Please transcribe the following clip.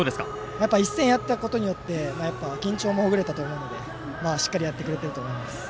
やっぱり一戦やったことによってやっぱり、緊張もほぐれたのでしっかりやってくれていると思います。